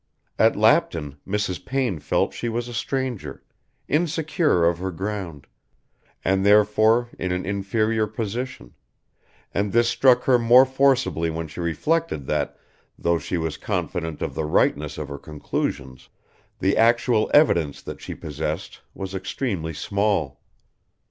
At Lapton Mrs. Payne felt she was a stranger, insecure of her ground, and therefore in an inferior position; and this struck her more forcibly when she reflected that, though she was confident of the rightness of her conclusions, the actual evidence that she possessed was extremely small.